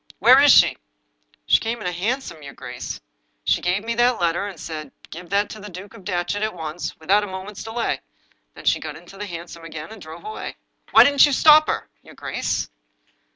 "Where is she?" " She came in a hansom, your grace. She gave me that letter, and said, ' Give that to the Duke of Datchet at once — ^without a moment's delay! ' Then she got into the han som again, and drove awa/" "Why didn't you stop her?" "Your grace!"